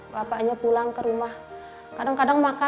bapaknya pulang ke rumah kadang kadang makan